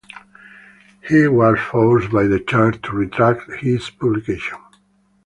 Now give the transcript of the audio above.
He was forced by the church to retract his publication.